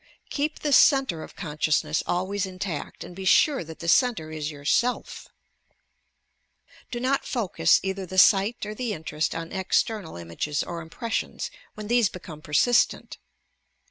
Keep the centre of con sciousness always intact and be sure that the centre is yourself ! Do not focus either the sight or the interest on external images or impressions when these become persistent.